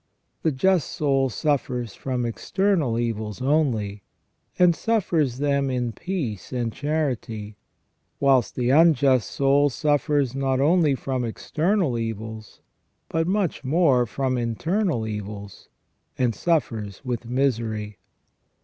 The just soul suffers from external evils only, and suffers them in peace and charity ; whilst the unjust soul suffers not only from external evils, but much more from internal evils, and suffers with misery.